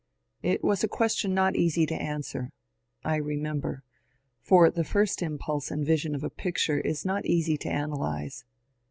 It was a question not easy to answer, I remember — for the first impulse and vision of a picture is not easy to analyze.